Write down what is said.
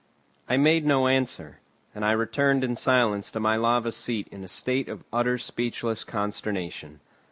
I made no answer; and I returned in silence to my lava seat in a state of utter speechless consternation.